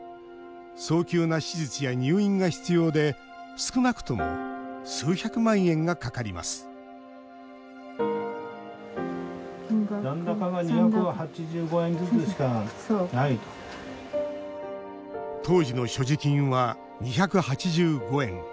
早急な手術や入院が必要で少なくとも数百万円がかかります当時の所持金は２８５円。